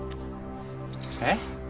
えっ？